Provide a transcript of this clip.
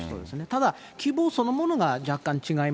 ただ、規模そのものが若干違い